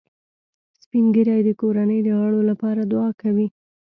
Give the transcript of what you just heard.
سپین ږیری د کورنۍ د غړو لپاره دعا کوي